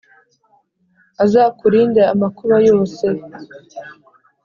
Azakurinde amakuba yose